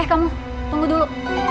eh kamu tunggu dulu